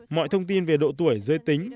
mọi thông tin về độ tuổi giới tính